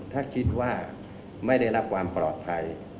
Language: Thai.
ถ้าคิดว่าไม่ได้รับความปลอดภัย